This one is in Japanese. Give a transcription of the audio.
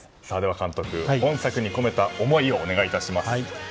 監督、今作に込めた思いをお願いいたします。